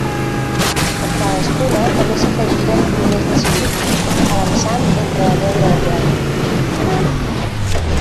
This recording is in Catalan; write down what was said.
Amb cadascuna també s'afegiren milers de civils, avançant entre la neu i el gel.